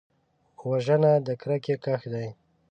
وژنه د کرکې کښت دی